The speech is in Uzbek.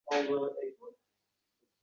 Senga quyoncha, oppoq quyoncha!